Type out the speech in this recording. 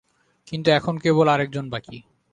কিন্তু এখন কেবল আর একজন বাকি।